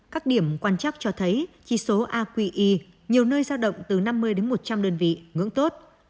các điểm quan chắc cho thấy chỉ số aqi nhiều nơi giao động từ năm mươi đến một trăm linh đơn vị ngưỡng tốt